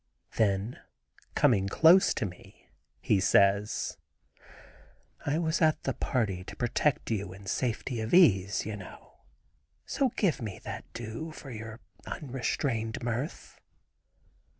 Then coming close to me he says: "I was at the party to protect you in safety of ease, you know, so give me that due for your unrestrained mirth."